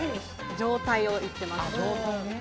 状態を言っています。